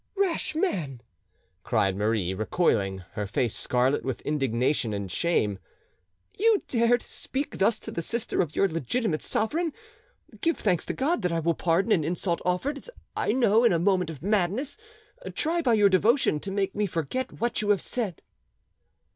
"Rash man!" cried Marie, recoiling, her face scarlet with indignation and shame; "you dare to speak thus to the sister of your legitimate sovereign? Give thanks to God that I will pardon an insult offered, as I know, in a moment of madness; try by your devotion to make me forget what you have said."